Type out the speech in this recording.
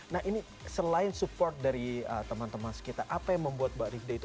nah ini selain support dari teman teman kita apa yang membuat mbak rifda itu